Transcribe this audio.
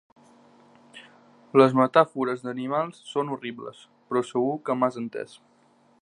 Les metàfores d'animals són horribles, però segur que m'has entès.